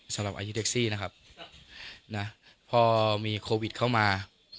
สำหรับอายุแท็กซี่นะครับนะพอมีโควิดเข้ามา